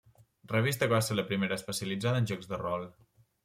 Revista que va ser la primera especialitzada en jocs de rol.